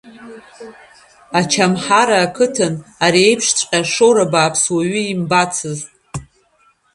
Ачамҳара ақыҭан ари еиԥшҵәҟьа ашоура бааԥс уаҩы имба-цызт.